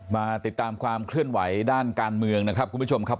มาติดตามความเคลื่อนไหวด้านการเมืองนะครับคุณผู้ชมครับ